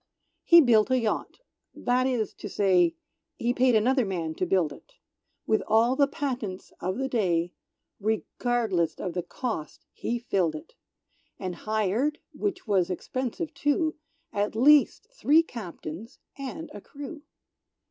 He built a yacht; that is to say, He paid another man to build it; With all the patents of the day, Regardless of the cost, he filled it; And hired, which was expensive too, At least three Captains and a crew.